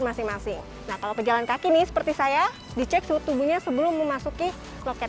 masing masing nah kalau pejalan kaki nih seperti saya dicek suhu tubuhnya sebelum memasuki loket